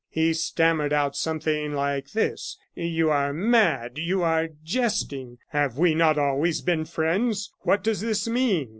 He stammered out something like this: 'You are mad you are jesting have we not always been friends? What does this mean?